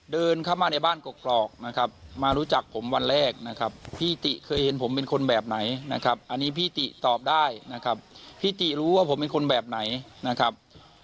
เดินเข้ามาในบ้านกรอกนะครับมารู้จักผมวันแรกนะครับพี่ติเคยเห็นผมเป็นคนแบบไหนนะครับอันนี้พี่ติตอบได้นะครับพี่ติรู้ว่าผมเป็นคนแบบไหนนะครับ